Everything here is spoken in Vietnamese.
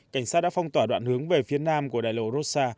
cảnh sát đã phong tỏa đoạn hướng về phía nam của đài lộ rossa